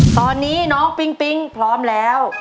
ตอนนี้น้องปิ๊งปิ๊งพร้อมแล้ว